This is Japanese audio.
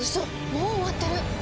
もう終わってる！